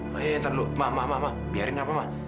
oh iya ntar dulu ma ma biarin apa ma